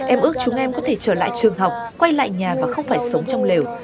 em ước chúng em có thể trở lại trường học quay lại nhà và không phải sống trong lều